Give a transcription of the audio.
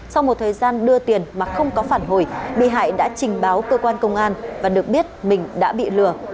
sau một thời gian đưa tiền mà không có phản hồi bị hại đã trình báo cơ quan công an và được biết mình đã bị lừa